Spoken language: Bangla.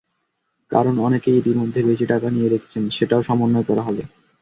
কারণ, অনেকেই ইতিমধ্যে বেশি টাকা নিয়ে রেখেছেন, সেটাও সমন্বয় করা হবে।